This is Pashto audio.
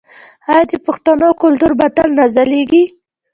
آیا د پښتنو کلتور به تل نه ځلیږي؟